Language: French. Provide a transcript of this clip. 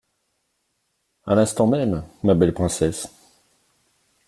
À l'instant même, ma belle princesse.